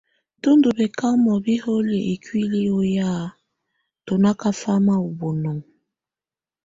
Tù ndù bɛkamɔ̀ biholiǝ́ ikuili ɔ́ ya tù na kafama ù bunɔŋɔ.